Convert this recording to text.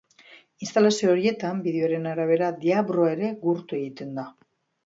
Instalazio horietan, bideoaren arabera, deabrua ere gurtu egiten da.